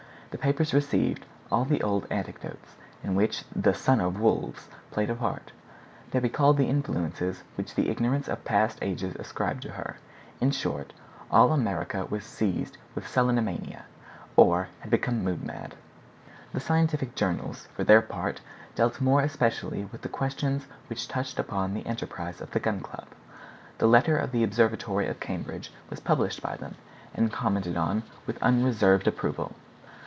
The papers revived all the old anecdotes in which the "sun of the wolves" played a part; they recalled the influences which the ignorance of past ages ascribed to her; in short, all America was seized with selenomania, or had become moon mad. The scientific journals, for their part, dealt more especially with the questions which touched upon the enterprise of the Gun Club. The letter of the Observatory of Cambridge was published by them, and commented upon with unreserved approval.